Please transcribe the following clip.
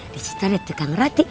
dicit oleh tukang roti